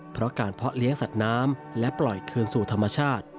เพราะการเพาะเลี้ยงสัตว์น้ำและปล่อยคืนสู่ธรรมชาติ